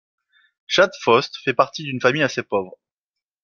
Chad Faust fait partie d'une famille assez pauvre.